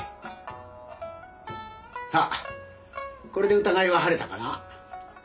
さあこれで疑いは晴れたかな？